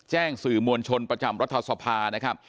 แจ้งสื่อมวลชนประจำรัฐศภาวร์